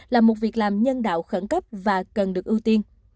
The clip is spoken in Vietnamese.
là một việc làm nhân đạo khẩn cấp và cần được ưu tiên